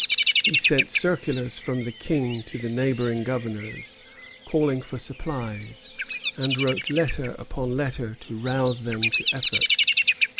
He sent circulars from the King to the neighboring governors, calling for supplies, and wrote letter upon letter to rouse them to effort.